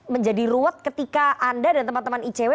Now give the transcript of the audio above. menjadi ruwet ketika anda dan teman teman icw